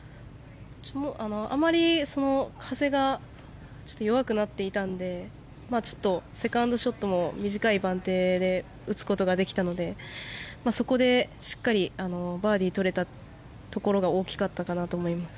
風が弱くなっていたのでセカンドショットも短い番手で打つことができたのでそこでしっかりバーディーとれたところが大きかったと思います。